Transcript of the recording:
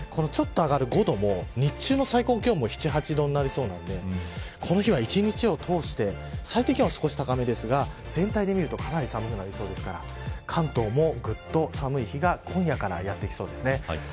ちょっと上がる５度も、日中の最高気温も７、８度ぐらいになりそうなのでこの日は一日を通して最低気温は少し高めですが全体で見るとかなり寒そうなので関東もぐっと寒い日が今夜からやってきそうですね。